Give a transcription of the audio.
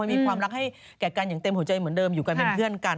มีความรักให้แก่กันอย่างเต็มหัวใจเหมือนเดิมอยู่กันเป็นเพื่อนกัน